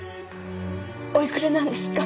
おいくらなんですか？